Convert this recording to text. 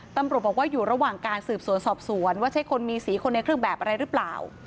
ตำรวจบอกว่าอยู่ระหว่างการสืบสวนสอบสวนว่าใช่คนมีสีคนในเครื่องแบบอะไรหรือเปล่า